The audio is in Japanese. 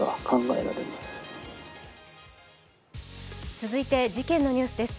続いて事件のニュースです。